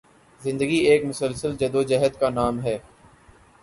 زندگی ایک مسلسل جدوجہد کا نام ہے